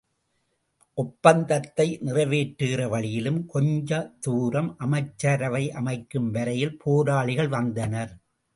ஒப்பந்தத்தை நிறைவேற்றுகிற வழியிலும் கொஞ்ச தூரம் அமைச்சரவை அமைக்கும் வரையில் போராளிகள் வந்தனர்.